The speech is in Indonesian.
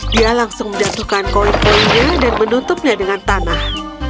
dia langsung menjatuhkan koin koinnya dan menutupnya dengan tanah